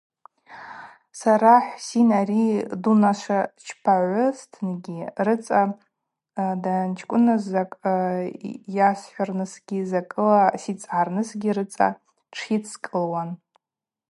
Сара Хӏвсин, ага дунашвачпагӏвызтынгьи, рыцӏа дъачкӏвыныз закӏ йасхӏвырнысгьи, закӏыла сицӏгӏарнысгьи рыцӏа тшйыдскӏылуан.